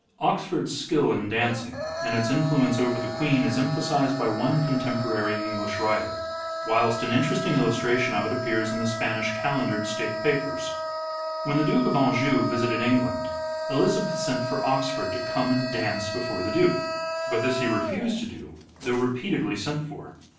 Oxford's skill in dancing and its influence over the Queen is emphasized by one contemporary English writer, whilst an interesting illustration of it appears in the Spanish Calendered State Papers. When the Duke of Anjou visited England, Elizabeth sent for Oxford to come and dance before the Duke : but this he refused to do though repeatedly sent for.